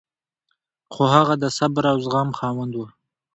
خو هغه د صبر او زغم خاوند و.